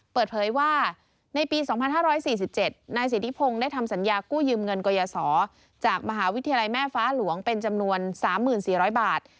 เปิดเผยว่าในปี๒๕๔๗นายสิทธิพงศ์ได้ทำสัญญากู้ยืมเงินกยศจากมหาวิทยาลัยแม่ฟ้าหลวงเป็นจำนวน๓๔๐๐บาท